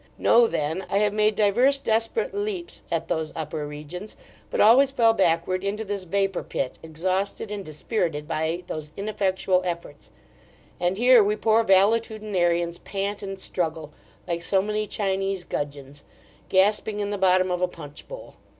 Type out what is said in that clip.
Know then, I have made divers desperate leaps at those upper regions; but always fell backward into this vapour pit, exhausted and dispirited by those ineffectual efforts; and here we poor valetudinarians pant and struggle, like so many Chinese gudgeons, gasping in the bottom of a punch bowl.